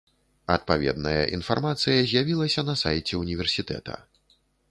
Адпаведная інфармацыя з'явілася на сайце ўніверсітэта.